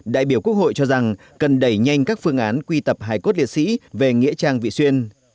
đại biểu quốc hội cho rằng cần đẩy nhanh các phương án quy tập hải cốt liệt sĩ về nghĩa trang vị xuyên